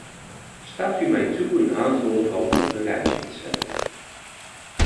Staat u mij toe een aantal ervan op een rijtje te zetten.